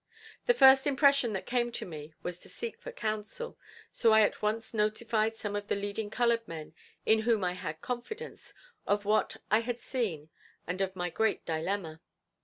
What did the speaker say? The first impression that came to me was to seek for counsel, so I at once notified some of the leading colored men, in whom I had confidence, of what I had seen and of my great dilemma.